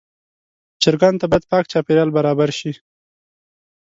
چرګانو ته باید پاک چاپېریال برابر شي.